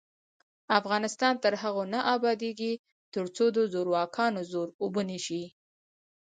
افغانستان تر هغو نه ابادیږي، ترڅو د زورواکانو زور اوبه نشي.